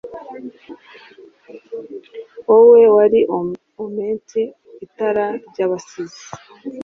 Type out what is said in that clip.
Wowe wari oement itara ry'abasizi